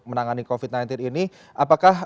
menangani covid sembilan belas ini apakah